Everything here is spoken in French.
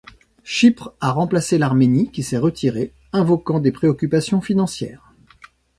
Chypre a remplacé l'Arménie, qui s'est retirée, invoquant des préoccupations financières.